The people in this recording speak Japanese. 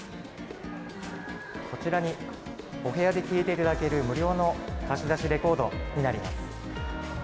こちらにお部屋で聴いていただける無料の貸し出しレコードになります。